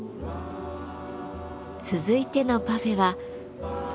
続いてのパフェは。